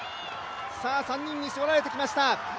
３人に絞られてきました。